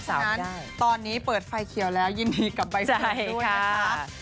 ฉะนั้นตอนนี้เปิดไฟเขียวแล้วยินดีกับใบสั่งด้วยนะคะ